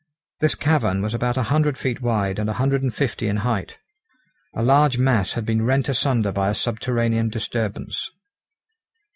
This cavern was about a hundred feet wide and a hundred and fifty in height. A large mass had been rent asunder by a subterranean disturbance.